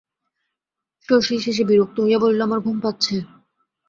শশীই শেষে বিরক্ত হইয়া বলিল, আমার ঘুম পাচ্ছে।